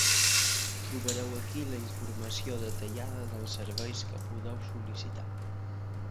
Trobareu aquí la informació detallada dels serveis que podeu sol·licitar.